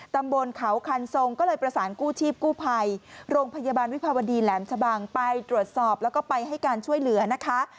ตำบลเขาคันทรงก็เลยประสานกู้ชีพกู้ภัยโรงพยาบาลวิภาวดีแหลมชะบังไปตรวจสอบแล้วก็ไปให้การช่วยเหลือนะคะ